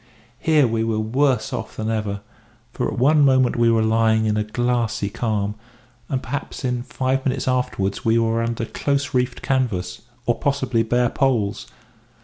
Here we were worse off than ever, for at one moment we were lying in a glassy calm, and perhaps in five minutes afterwards were under close reefed canvas, or possibly bare poles.